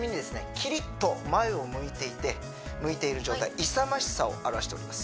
キリッと前を向いていて向いている状態勇ましさを表しております